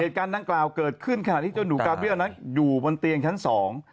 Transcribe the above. เหตุการณ์ดังกล่าวเกิดขึ้นขณะที่เจ้าหนูกาเบี้ยนั้นอยู่บนเตียงชั้นสอง